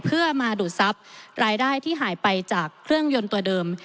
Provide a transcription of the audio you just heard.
เพื่อมาดูดทรัพย์รายได้ที่หายไปจากเครื่องยนต์ตัวเดิม